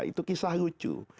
itu kisah lucu